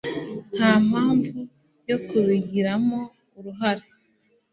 nta mpamvu yo kubigiramo uruhare